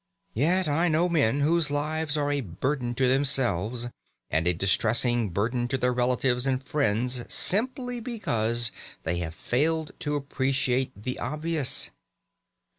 Yet I know men whose lives are a burden to themselves and a distressing burden to their relatives and friends simply because they have failed to appreciate the obvious.